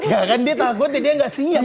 ya kan dia takutnya dia gak siap gitu